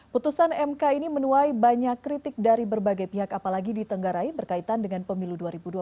putusan mk ini menuai banyak kritik dari berbagai pihak apalagi ditenggarai berkaitan dengan pemilu dua ribu dua puluh